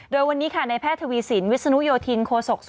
โดยวันนี้ค่ะในแพทย์ทวีสินวิศนุโยธินโคศก